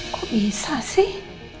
kok bisa sih